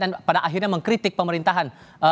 dan pada akhirnya mengkritik pemerintahan